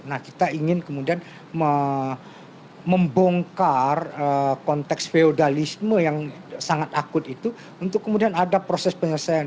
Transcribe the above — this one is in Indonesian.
nah kita ingin kemudian membongkar konteks feudalisme yang sangat akut itu untuk kemudian ada proses penyelesaian